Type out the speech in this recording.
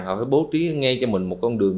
họ phải bố trí ngay cho mình một con đường